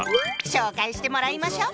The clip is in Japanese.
紹介してもらいましょう！